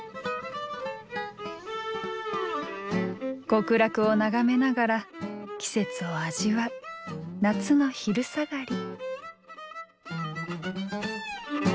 極楽を眺めながら季節を味わう夏の昼下がり。